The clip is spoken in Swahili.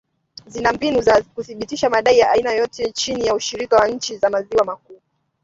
zina mbinu za kuthibitisha madai ya aina yoyote chini ya ushirika wa nchi za maziwa makuu